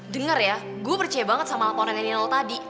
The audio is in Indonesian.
dengar ya gue percaya banget sama laporannya nol tadi